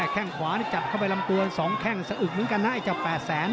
แค่งขวานี่จับเข้าไปลำตัว๒แข้งสะอึกเหมือนกันนะไอ้เจ้า๘แสน